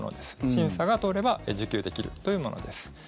審査が通れば受給できるというものです。